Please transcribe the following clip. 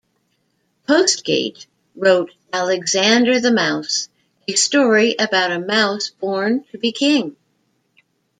Postgate wrote "Alexander the Mouse," a story about a mouse born to be king.